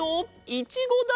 いちごだ！